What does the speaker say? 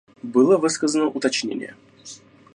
Было высказано уточнение.